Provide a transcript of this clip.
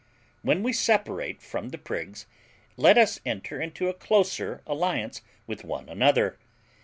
When we separate from the prigs, let us enter into a closer alliance with one another.